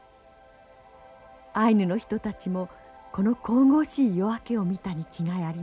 アイヌの人たちもこの神々しい夜明けを見たに違いありません。